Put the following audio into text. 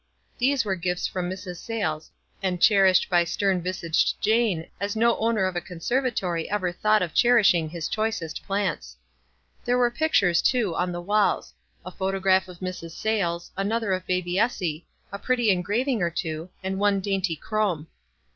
These w T ere gifts from Mrs. Sayles, and cherished by stern visaged Jane as no owner of a conservatory ever thought of cher ishing his choicest plants. There were pic tures, too, on the walls — a photograph of Mrs. Sayles, another of baby Essie, a pretty engrav ing or two, and one dainty chromo.